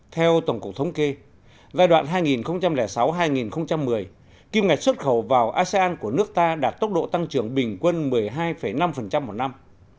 theo tổng cục thống kê giai đoạn hai nghìn sáu hai nghìn một mươi kim ngạch xuất khẩu vào asean của nước ta đạt tốc độ tăng trưởng bình quân một mươi hai năm một năm